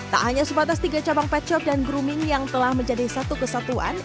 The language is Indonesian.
tak hanya sebatas tiga cabang pet shop dan grooming yang telah menjadi satu kesatuan